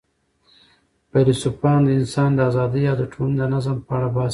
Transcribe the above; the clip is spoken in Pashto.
فیلسوفان د انسان د آزادۍ او د ټولني د نظم په اړه بحث کوي.